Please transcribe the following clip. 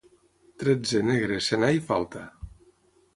Tretze, negre, senar i falta.